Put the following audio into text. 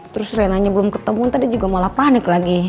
terus renanya belum ketemu tadi juga malah panik lagi